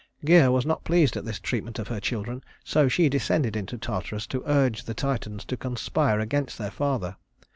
Gæa was not pleased at this treatment of her children, so she descended into Tartarus to urge the Titans to conspire against their father.